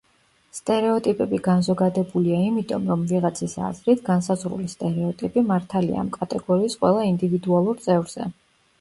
სტერეოტიპები განზოგადებულია იმიტომ რომ, ვიღაცის აზრით, განსაზღვრული სტერეოტიპი, მართალია ამ კატეგორიის ყველა ინდივიდუალურ წევრზე.